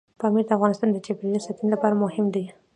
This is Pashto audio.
پامیر د افغانستان د چاپیریال ساتنې لپاره مهم دي.